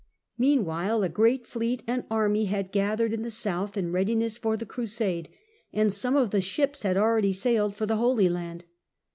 Meanwhile a great fleet and army had gathered in the south in readi ness for the Crusade, and some of the ships had already sailed for the Holy Land.